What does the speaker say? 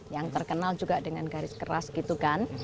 yang terkenal juga dengan garis keras gitu kan